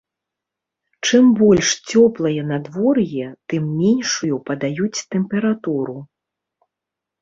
Чым больш цёплае надвор'е, тым меншую падаюць тэмпературу.